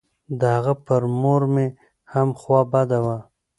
د هغه په مور مې هم خوا بده وه.